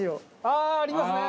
ああーありますね。